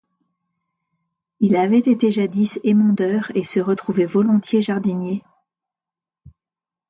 Il avait été jadis émondeur et se retrouvait volontiers jardinier.